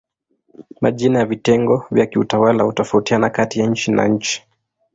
Majina ya vitengo vya kiutawala hutofautiana kati ya nchi na nchi.